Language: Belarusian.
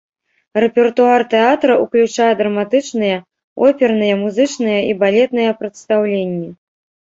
Рэпертуар тэатра ўключае драматычныя, оперныя, музычныя і балетныя прадстаўленні.